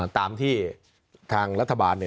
ตามที่ทางรัฐบาลเนี่ย